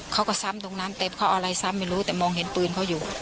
เขาก็ซ้ำตรงนั้นเต็มเขาอะไรซ้ำไม่รู้แต่มองเห็นปืนเขาอยู่